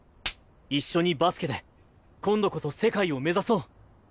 一緒にバスケで今度こそ世界を目指そう。